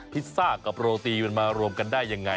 พิซซ่ากับโรตีมันมารวมกันได้ยังไง